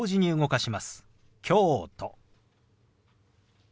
「京都」。